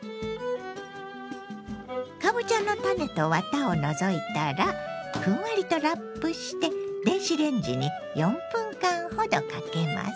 かぼちゃの種とワタを除いたらふんわりとラップして電子レンジに４分間ほどかけます。